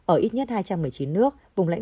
ở ít nhất hai trăm một mươi chín nước